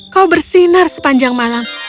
kau bersinar sepanjang malam